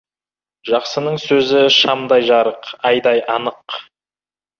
Жақсының сөзі — шамдай жарық, айдай анық.